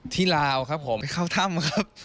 ที่ลาวครับผมไปเข้าถ้ำครับ